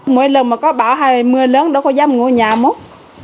mỗi lần mà có bão hay mưa lớn đâu có dám ngủ nhà mốt